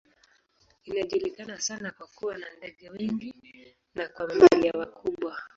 Inajulikana sana kwa kuwa na ndege wengi na kwa mamalia wakubwa.